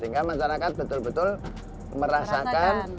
sehingga masyarakat betul betul merasakan